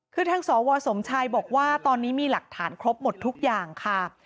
คือทางสวสมชัยบอกว่าตอนนี้มีหลักฐานครบหมดทุกอย่างค่ะ